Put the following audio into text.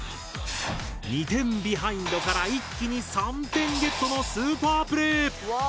２点ビハインドから一気に３点ゲットのスーパープレイ！